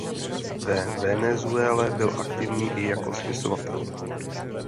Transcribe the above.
Ve Venezuele byl aktivní i jako spisovatel.